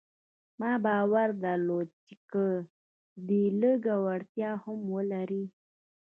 ما باور درلود چې که دی لږ وړتيا هم ولري.